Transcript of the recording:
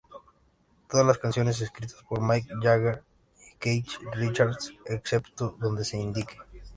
Todas las canciones escritas por Mick Jagger y Keith Richards, excepto donde se indique.